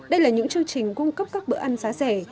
đây là những chương trình cung cấp các bữa ăn giá rẻ